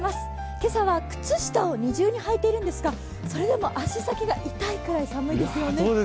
今朝は靴下を二重にはいているんですが、それでも足先が痛いぐらい寒いですよね。